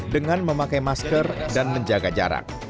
dengan memakai masker dan menjaga jarak